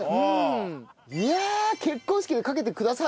いや結婚式でかけてくださる。